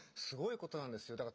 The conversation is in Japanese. すごいことなんですよ。